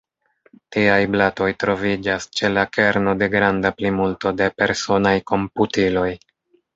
Tiaj blatoj troviĝas ĉe la kerno de granda plimulto de personaj komputiloj.